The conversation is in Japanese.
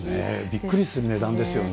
びっくりする値段ですよね。